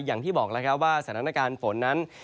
อย่างที่บอกแล้วครับว่าสถานการณ์ฝนนั้น